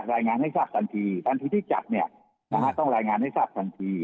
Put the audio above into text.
รายงานให้ทราบทันทีทันทีที่จัดเนี่ยนะฮะต้องรายงานให้ทราบทันที